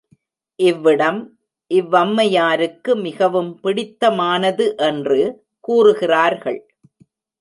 இவ்விடம் இவ்வம்மையாருக்கு மிகவும் பிடித்தமானது என்று கூறுகிறார்கள்.